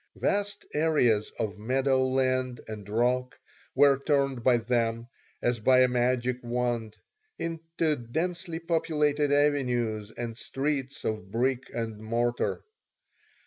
Vast areas of meadowland and rock were turned by them, as by a magic wand, into densely populated avenues and streets of brick and mortar.